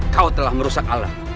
kau telah merusak alam